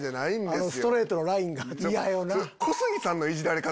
あのストレートのラインが嫌よな。